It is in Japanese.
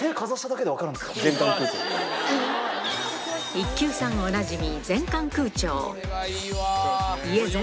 一級さんおなじみ